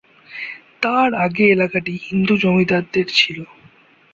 তার আগে এলাকাটি হিন্দু জমিদারদের ছিল।